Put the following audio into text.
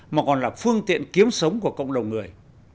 mà còn là phương tiện kiếm sống của cộng đồng người